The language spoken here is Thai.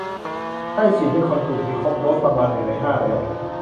ได้ฉีดให้คนกลุ่มนี้ครบโดสประมาณหนึ่งในห้าแล้ว